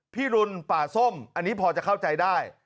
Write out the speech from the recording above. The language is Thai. รุนป่าส้มอันนี้พอจะเข้าใจได้